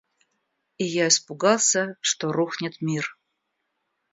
И я испугался, что рухнет мир.